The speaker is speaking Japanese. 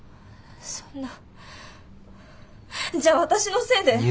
そんなじゃあ私のせいで。